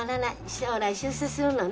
将来出世するのね。